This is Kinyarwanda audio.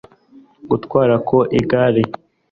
gutwara ku igare